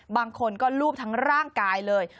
บางคนก็ลูบทั้งร่างกายเลย